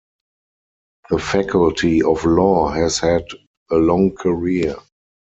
The faculty of law has had a long career.